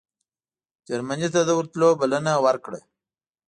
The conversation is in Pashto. جرمني ته د ورتلو بلنه ورکړه.